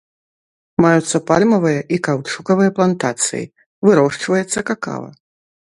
Маюцца пальмавыя і каўчукавыя плантацыі, вырошчваецца какава.